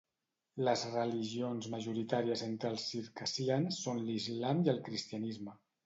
Les religions majoritàries entre els circassians són l'Islam i el cristianisme.